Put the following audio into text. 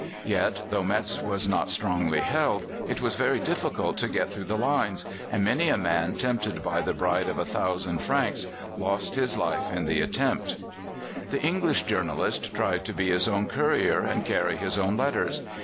Yet, though Metz was not strongly held, it was very difficult to get through the lines, and many a man, tempted by the bribe of 1,000 francs, lost his life in the attempt. The English journalist tried to be his own courier and carry his own letters.